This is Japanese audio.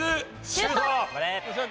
シュート！